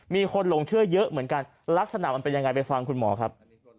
มีคนหลงเชื่อเยอะเหมือนกันลักษณะมันเป็นยังไงไปฟังคุณหมอครับ